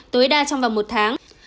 tối đa trong vòng một tháng